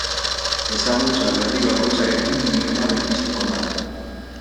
Ezagutza berri bakoitzarekin dilema berpiztuko da.